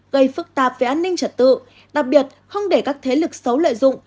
gây phức tạp về an ninh trật tự đặc biệt không để các thế lực xấu lợi dụng